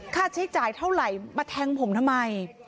ค่าใช้จ่ายเท่าไหร่มาแทงผมทำไม